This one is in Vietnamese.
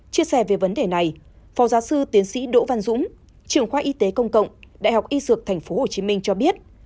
chia sẻ về vấn đề này phó giáo sư tiến sĩ đỗ văn dũng trường khoa y tế công cộng đại học y dược tp hcm cho biết